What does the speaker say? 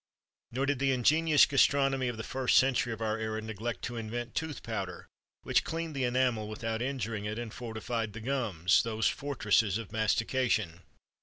Nor did the ingenious gastronomy of the first century of our era neglect to invent tooth powder, which cleaned the enamel without injuring it, and fortified the gums those fortresses of mastication.